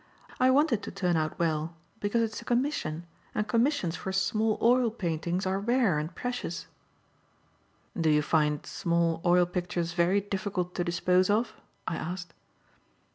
"I want it to turn out well, because it's a commission, and commissions for small oil paintings are rare and precious." "Do you find small oil pictures very difficult to dispose of?" I asked.